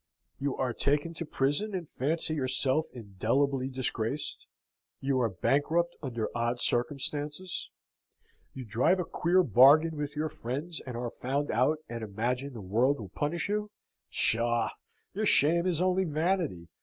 You are taken to prison, and fancy yourself indelibly disgraced? You are bankrupt under odd circumstances? You drive a queer bargain with your friends and are found out, and imagine the world will punish you? Psha! Your shame is only vanity.